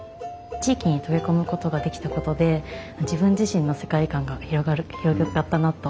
地域に溶け込むことができたことで自分自身の世界観が広がったなと思っています。